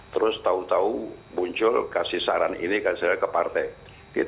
terus tau tau muncul kasih saran ini kasih saran ke partai